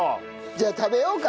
じゃあ食べようか。